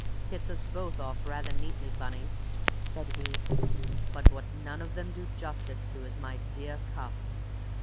"Hits us both off rather neatly, Bunny," said he. "But what none of them do justice to is my dear cup.